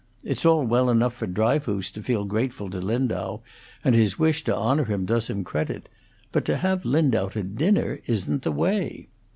It's all well enough for Dryfoos to feel grateful to Lindau, and his wish to honor him does him credit; but to have Lindau to dinner isn't the way.